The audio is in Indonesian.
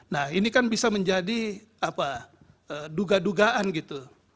nah ini kan bisa menjadi dugaan dugaan gitu